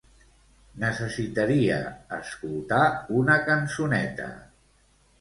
Necessitaria escoltar una cançoneta.